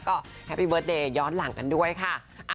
ก็แฮปปี้เบิร์ตเดย์ย้อนหลังกันด้วยค่ะ